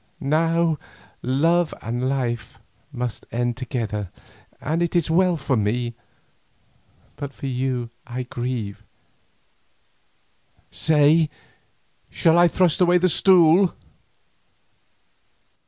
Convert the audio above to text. Now love and life must end together, and it is well for me, but for you I grieve. Say, shall I thrust away the stool?"